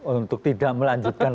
untuk tidak melanjutkan